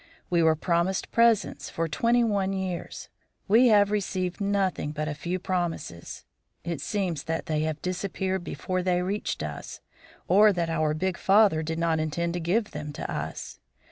We were promised presents for twenty one years; we have received nothing but a few promises. It seems that they have disappeared before they reached us, or that our big father did not intend to give them to us.